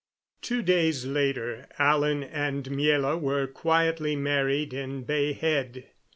Two days later Alan and Miela were quietly married in Bay Head.